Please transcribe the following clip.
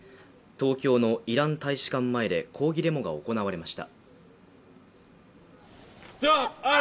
東京のイラン大使館前で抗議デモが行われました。